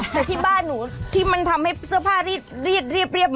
แต่ที่บ้านหนูที่มันทำให้เสื้อผ้ารีดเรียบ